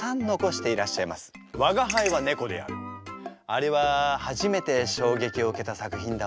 あれは初めてしょうげきを受けた作品だわ。